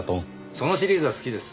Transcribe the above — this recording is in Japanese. そのシリーズは好きです。